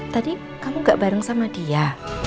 tadi kamu gak bareng sama dia